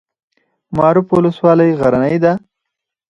معروف ولسوالۍ غرنۍ ده؟